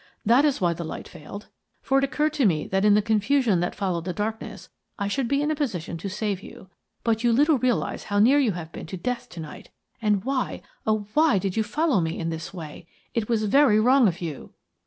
That is why the light failed, for it occurred to me that in the confusion that followed the darkness, I should be in a position to save you. But you little realise how near you have been to death to night. And, why, oh, why did you follow me in this way? It was very wrong of you."